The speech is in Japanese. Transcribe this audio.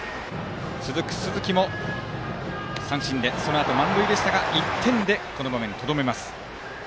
続く鈴木も三振でそのあと、満塁でしたが１点でこの場面はとどめます。